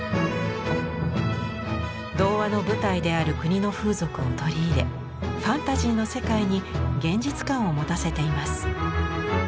童話の舞台である国の風俗を取り入れファンタジーの世界に現実感を持たせています。